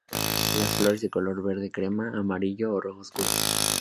Las flores de color verde-crema-amarillo o rojo oscuro.